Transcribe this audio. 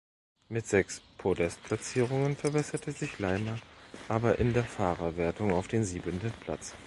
Mit sechs Podest-Platzierungen verbesserte sich Leimer aber in der Fahrerwertung auf den siebten Platz.